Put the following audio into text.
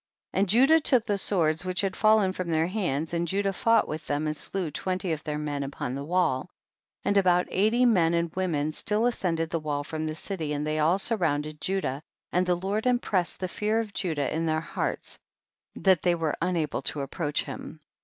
34. And Judah took the swords which had fallen from their hands, and Judah fought with them and slew twenty of their men upon the wall. 35. And about eighty men and women still ascended the wall from the city and they all surrounded Ju dah, and the Lord impressed the fear of Judah intheirhearts, that they were unable to approach him.